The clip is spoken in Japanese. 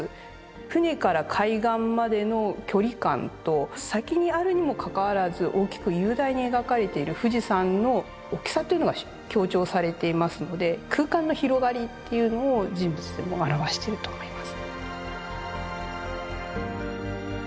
船から海岸までの距離感と先にあるにもかかわらず大きく雄大に描かれている富士山の大きさというのが強調されていますので空間の広がりというのを人物でも表してると思います。